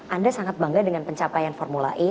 anda sangat bangga dengan pencapaian formula e